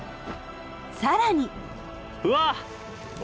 更に。